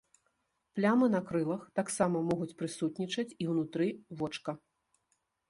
Плямы на крылах таксама могуць прысутнічаць і ўнутры вочка.